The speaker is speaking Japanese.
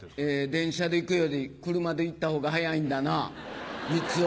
「電車で行くより車で行った方が早いんだなぁみつを」。